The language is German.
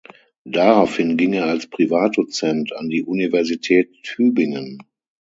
Daraufhin ging er als Privatdozent an die Universität Tübingen.